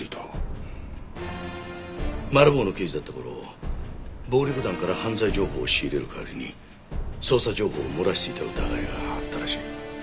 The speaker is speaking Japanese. マル暴の刑事だった頃暴力団から犯罪情報を仕入れる代わりに捜査情報を漏らしていた疑いがあったらしい。